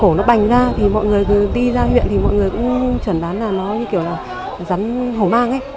cổ nó bành ra thì mọi người đi ra huyện thì mọi người cũng chuẩn đoán là nó như kiểu là rắn hổ mang ấy